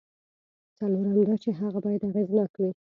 څلورم دا چې هغه باید اغېزناک وي.